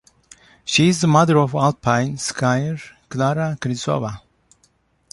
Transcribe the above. She is the mother of alpine skier Klára Křížová.